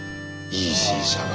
いい新車が。